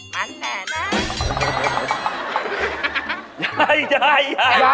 ยายยายยายย